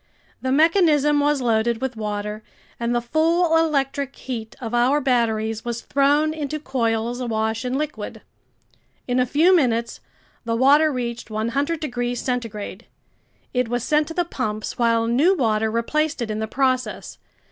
The mechanism was loaded with water, and the full electric heat of our batteries was thrown into coils awash in liquid. In a few minutes the water reached 100 degrees centigrade. It was sent to the pumps while new water replaced it in the process.